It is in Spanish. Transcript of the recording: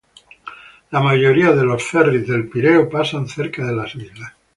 La mayoría de los ferries de El Pireo pasan cerca de las islas.